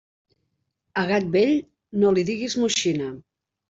A gat vell, no li diguis moixina.